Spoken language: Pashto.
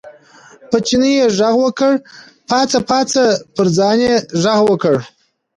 په چیني یې غږ وکړ، پاڅه پاڅه، پر ځان یې غږ وکړ.